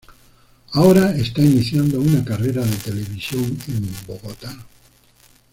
Ahora está iniciando una carrera de televisión en Bogotá.